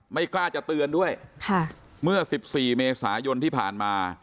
ไม่กล้าจะเตือนด้วยค่ะเมื่อสิบสี่เมษายนที่ผ่านมา